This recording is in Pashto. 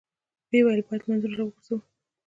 ويې ويل: بايد لمونځونه راوګرځوو!